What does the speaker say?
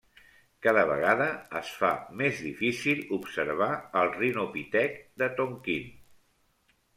Cada vegada es fa més difícil observar el rinopitec de Tonquín.